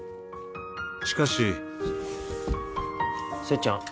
しかしせっちゃん？